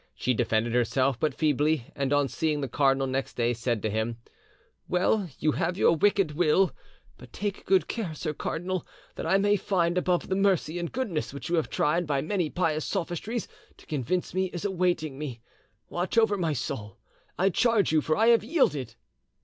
She defended herself but feebly, and on seeing the cardinal next day said to him, 'Well, you have had your wicked will; but take good care, sir cardinal, that I may find above the mercy and goodness which you have tried by many pious sophistries to convince me is awaiting me. Watch over my soul, I charge you, for I have yielded!